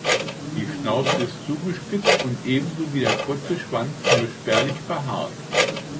Die Schnauze ist zugespitzt und ebenso wie der kurze Schwanz nur spärlich behaart.